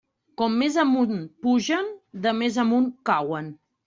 Com més amunt pugen, de més amunt cauen.